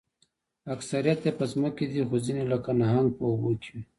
اکثریت یې په ځمکه دي خو ځینې لکه نهنګ په اوبو کې وي